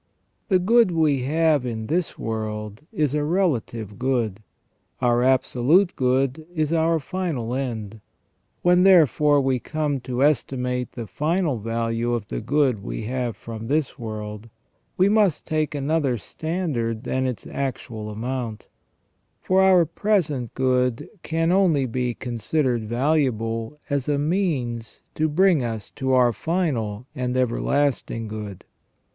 The good we have in this world is a relative good ; our absolute good is our final end. When, therefore, we come to estimate the final value of the good we have from this world we must take another standard than its actual amount ; for our present good can only be considered valuable as a means to bring us to our final and everlasting good.